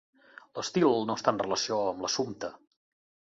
L'estil no està en relació amb l'assumpte.